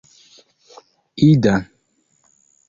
ida